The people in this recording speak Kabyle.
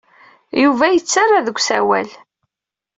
Yuba yettarra deg usawal.